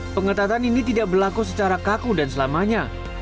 pengetatan ini tidak berlaku secara kaku dan selamanya